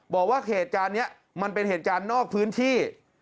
บอกว่าเหตุการณ์นี้มันเป็นเหตุการณ์นอกพื้นที่